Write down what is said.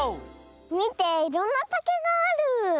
みていろんなたけがある。